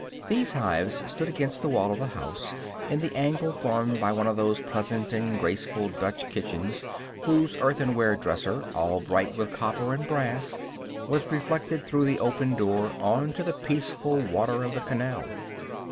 These hives stood against the wall of the house, in the angle formed by one of those pleasant and graceful Dutch kitchens whose earthenware dresser, all bright with copper and brass, was reflected through the open door on to the peaceful water of the canal.